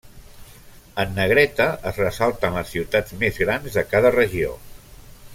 En negreta es ressalten les ciutats més grans de cada regió.